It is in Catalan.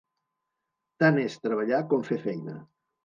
Tant és treballar com fer feina.